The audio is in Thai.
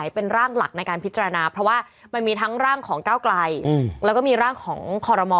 เพราะว่ามันมีทั้งร่างของก้าวไกลแล้วก็มีร่างของคอรมอ